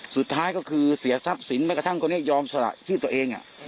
สุดท้ายก็คือเสียทรัพย์สินแม้กระทั่งคนนี้ยอมสละชื่อตัวเอง